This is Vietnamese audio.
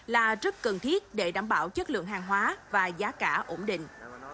là rất cần thiết để đảm bảo chất lượng hàng hóa và giá cả ổn định